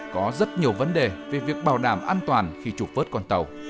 có rất nhiều vấn đề về việc bảo đảm an toàn khi trục vớt con tàu